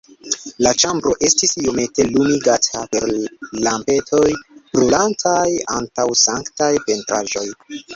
La ĉambro estis iomete lumigata per lampetoj, brulantaj antaŭ sanktaj pentraĵoj.